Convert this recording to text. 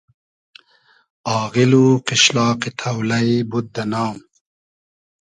آغیل و قیشلاقی تۉلݷ بود دۂ نام